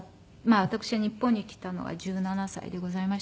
私が日本に来たのは１７歳でございましたけれども。